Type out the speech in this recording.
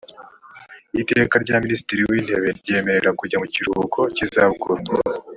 iteka rya minisitiri w intebe ryemerera kujya mu kiruhuko cy izabukuru